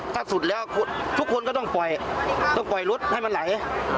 ถ้าสุดแล้วทุกคนก็ต้องปล่อยต้องปล่อยรถให้มันไหล